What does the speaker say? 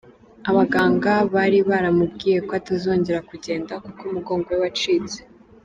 Abaganga bari baramubwiye ko atazongera kugenda kuko umugongo we wacitse.